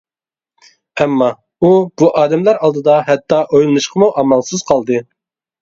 ئەمما ئۇ بۇ ئادەملەر ئالدىدا ھەتتا ئويلىنىشقىمۇ ئامالسىز قالدى.